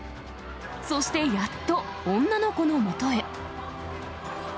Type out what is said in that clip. そしてやっと、女の子のもとへ。